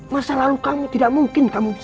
masa lalu kamu tidak mungkin kamu bisa